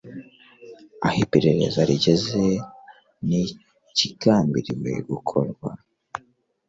aho iperereza rigeze n'ikigambiriwe gukorwa